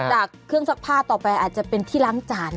จากเครื่องซักผ้าต่อไปอาจจะเป็นที่ล้างจาน